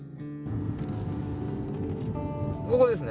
ここですね。